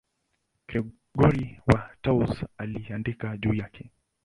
Gregori wa Tours aliandika juu yake.